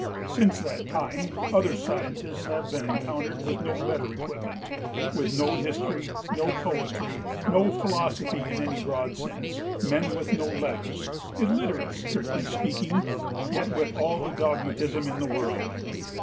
Since that time other "scientists" have been encountered, with no better equipment, with no history, no poetry, no philosophy in any broad sense, men with no letters illiterate, strictly speaking yet with all the dogmatism in the world.